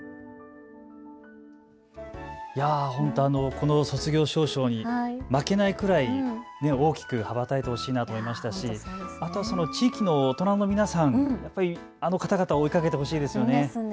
この卒業証書に負けないくらい大きく羽ばたいてほしいなと思いましたし地域の大人の皆さん、あの方々を追いかけてほしいですよね。